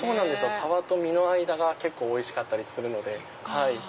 皮と実の間が結構おいしかったりするので。